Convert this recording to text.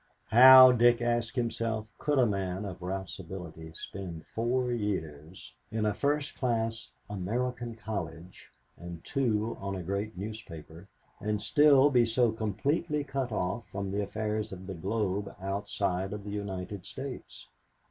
How, Dick asked himself, could a man of Ralph's ability spend four years in a first class American college and two on a great newspaper and still be so completely cut off from the affairs of the globe outside of the United States?